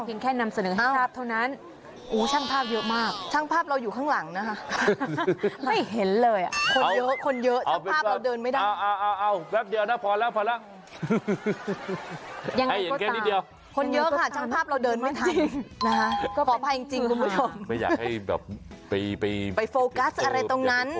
ถึงแค่นำเสนอให้ชาติเท่านั้น